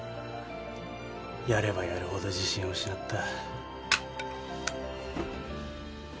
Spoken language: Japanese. やればやるほど自信を失った